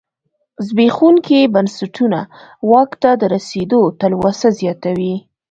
زبېښونکي بنسټونه واک ته د رسېدو تلوسه زیاتوي.